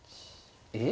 えっ？